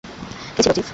কে ছিল চিফ?